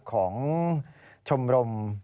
ของชมรม